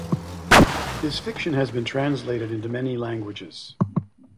His fiction has been translated into many languages.